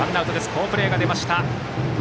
好プレーが出ました。